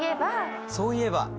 そういえば。